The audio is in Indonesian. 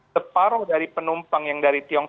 separuh dari penumpang yang dari tiongkok